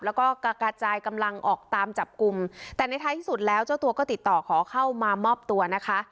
แล้วก็กระจายกำลังออกตามจับกลุ่มแต่ในท้ายที่สุดแล้วเจ้าตัวก็ติดต่อขอเข้ามามอบตัวนะคะ